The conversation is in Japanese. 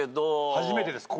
初めてです。